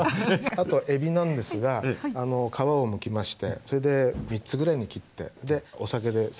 あとえびなんですが皮をむきましてそれで３つぐらいに切ってでお酒でサッと洗ってですね